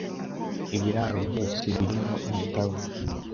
Ibiraro byose birimo imitavu